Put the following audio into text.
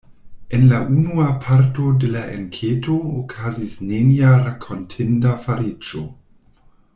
En la unua parto de la enketo okazis nenia rakontinda fariĝo.